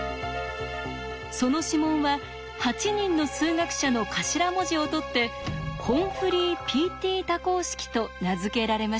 その指紋は８人の数学者の頭文字をとってＨＯＭＦＬＹＰＴ多項式と名付けられました。